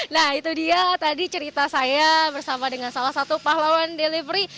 nah itu dia tadi cerita saya bersama dengan salah satu pahlawan delivery